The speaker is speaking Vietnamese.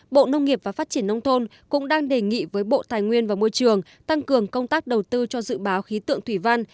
bộ nông nghiệp và phát triển nông thôn cũng đang đề nghị với bộ tài nguyên và môi trường tăng cường công tác đầu tư cho dự báo khí tượng thủy văn